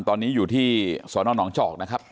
ตอนนี้อยู่ที่สนหนองจอกนะครับ